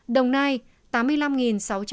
đồng nai tám mươi năm sáu trăm ba mươi một